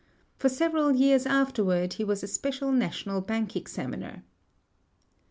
For several years afterward he was a special national bank examiner.